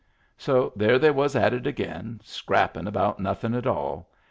So there they was at it again, scrappin' about nothin' at all.